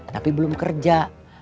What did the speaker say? tapi belum kerja